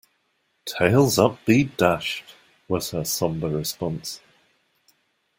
"Tails up be dashed," was her sombre response.